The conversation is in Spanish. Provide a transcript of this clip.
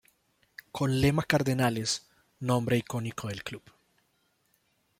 Con lema Cardenales, nombre icónico del Club.